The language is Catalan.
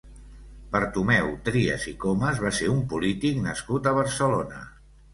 Bartomeu Trias i Comas va ser un polític nascut a Barcelona.